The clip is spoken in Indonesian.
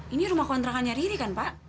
ini rumah kontrakannya riri kan pak